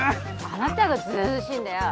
あなたが図々しいんだよ！